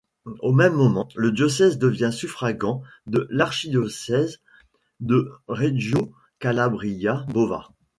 Au même moment, le diocèse devient suffragant de l'archidiocèse de Reggio Calabria-Bova.